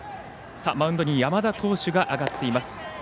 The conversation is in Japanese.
マウンドに山田投手が上がっています。